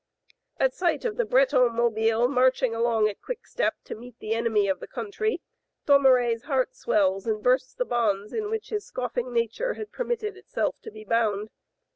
At sight of the Breton Mobiles marching along at quick step to meet the enemy of the country, Thomeray s heart swells and bursts the bonds in which his scoffing nature had permitted itself to be bound.